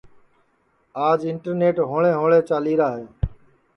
آج انٹرنیٹ ہوݪے ہوݪے چالیرا ہے